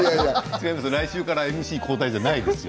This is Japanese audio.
来週からＭＣ交代じゃないですよ。